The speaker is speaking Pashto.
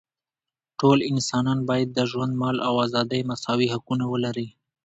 ټول انسانان باید د ژوند، مال او ازادۍ مساوي حقونه ولري.